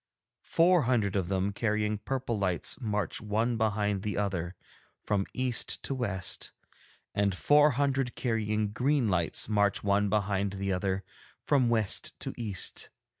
Four hundred of them carrying purple lights march one behind the other, from east to west, and four hundred carrying green lights march one behind the other, from west to east.